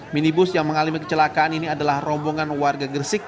minibus yang mengalami kecelakaan ini adalah rombongan warga gresik